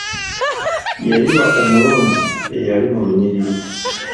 Yayiwa omulonzi eyali mu lunyiriri.